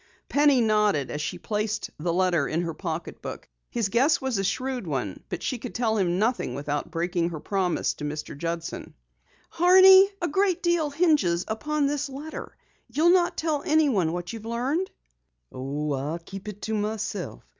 Penny nodded as she placed the letter in her pocketbook. His guess was a shrewd one, but she could tell him nothing without breaking her promise to Mr. Judson. "Horney," she said, "a great deal hinges upon this letter. You'll not tell anyone what you've learned?" "Oh, I'll keep it to myself.